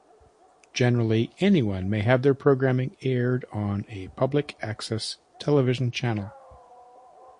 Generally, anyone may have their programming aired on a public-access television channel.